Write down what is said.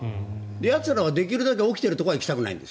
やつらはできるだけ起きているところは行きたくないんです。